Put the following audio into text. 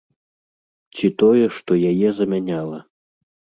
Ці тое, што яе замяняла.